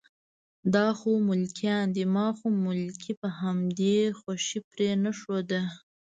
دا خو ملکان دي، ما خو ملکي په همدې خوشې پرېنښوده.